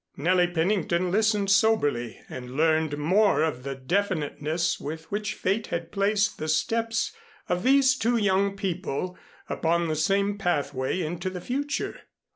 Nellie Pennington listened soberly, and learned more of the definiteness with which fate had placed the steps of these two young people upon the same pathway into the future.